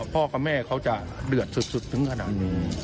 กับแม่เขาจะเดือดสุดถึงขนาดนี้